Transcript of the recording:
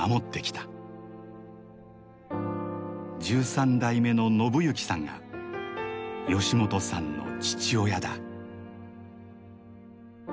１３代目の信幸さんが吉本さんの父親だ。